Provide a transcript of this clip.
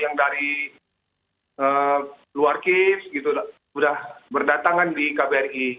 yang dari luar kiev sudah berdatangan di kbri